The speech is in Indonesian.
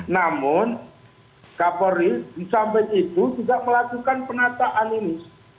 namun kapolri sampai itu juga melakukan penataan ini